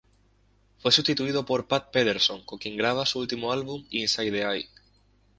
Fue sustituido por Pat Pederson, con quien graban su último álbum, "Inside the Eye".